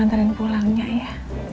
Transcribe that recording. ntarin pulangnya ya